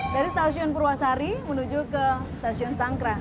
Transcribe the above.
dari stasiun purwasari menuju ke stasiun sangkrang